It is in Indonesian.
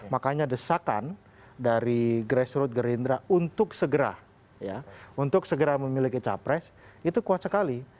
makanya desakan dari grassroot gerindra untuk segera ya untuk segera memiliki capres itu kuat sekali